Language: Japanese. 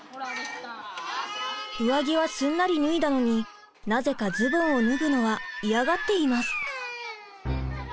上着はすんなり脱いだのになぜかズボンを脱ぐのは嫌がっています。